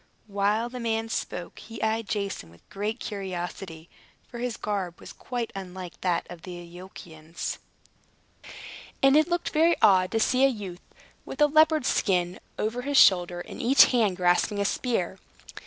While the man spoke he eyed Jason with great curiosity; for his garb was quite unlike that of the Iolchians, and it looked very odd to see a youth with a leopard's skin over his shoulders, and each hand grasping a spear.